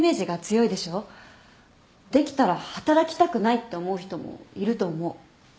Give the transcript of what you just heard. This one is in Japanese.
できたら働きたくないって思う人もいると思う。